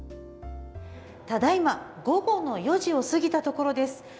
ただいま午後４時を過ぎたところです。